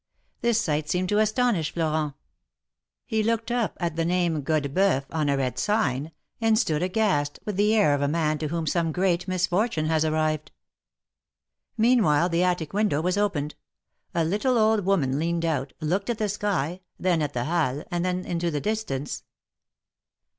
This sight seemed to astonish Florent; he looked up at the name Godebceuf, on a red sign^ and stood aghast, with the air of a man to whom some great misfortune has arrived. Meanwhile the attic window was opened; a little old woman leaned out, looked at the sky, then at the Halles, and then into the distance.